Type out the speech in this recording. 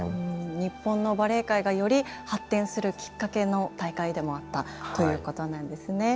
日本のバレエ界がより発展するきっかけの大会でもあったということなんですね。